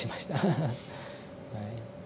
ハハはい。